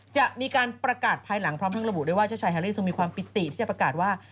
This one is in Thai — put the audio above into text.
จะมีการประกาศภายหลังพร้อมทั้งระบุได้ว่าเจ้าชายแฮรี่ทรงมีความปิติที่จะประกาศว่า